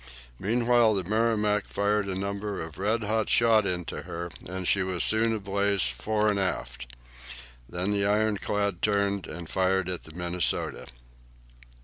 Meanwhile the "Merrimac" fired a number of red hot shot into her, and she was soon ablaze fore and aft. Then the ironclad turned and fired at the "Minnesota."